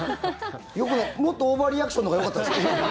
もっとオーバーリアクションのほうがよかったですか？